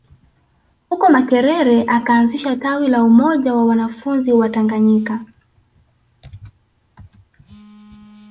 Huko Makerere akaanzisha tawi la Umoja wa wanafunzi Watanganyika